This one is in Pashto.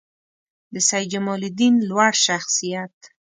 د سیدجمالدین لوړ شخصیت